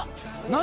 何？